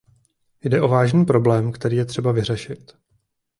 Jde o vážný problém, který je třeba vyřešit.